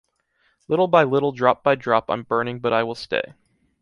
Little by little drop by drop I’m burning but I will stay.